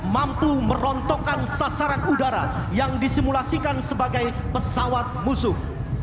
mampu merontokkan sasaran udara yang disimulasikan sebagai pesawat musuh